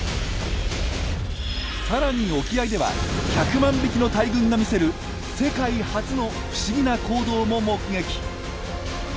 さらに沖合では１００万匹の大群が見せる世界初の不思議な行動も目撃！